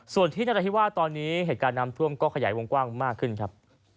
ส่วนที่นราธิวาสตอนนี้เหตุการณ์น้ำท่วมก็ขยายวงกว้างมากขึ้นครับ